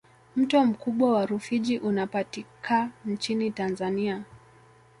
mto mkubwa wa rufiji unapatika nchini tanzania